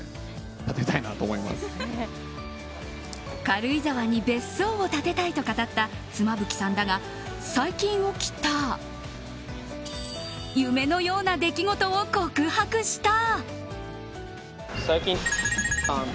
軽井沢に別荘を建てたいと語った妻夫木さんだが最近起きた夢のような出来事を告白した。